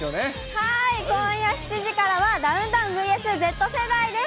はい、今夜７時からはダウンタウンｖｓＺ世代です。